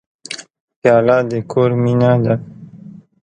پیاله د کور مینه ده.